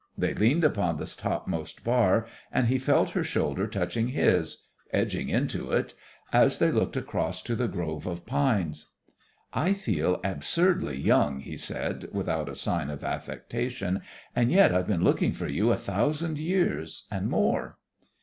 They leaned upon the topmost bar, and he felt her shoulder touching his edging into it as they looked across to the grove of pines. "I feel absurdly young," he said without a sign of affectation, "and yet I've been looking for you a thousand years and more."